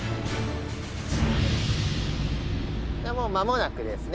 もうまもなくですね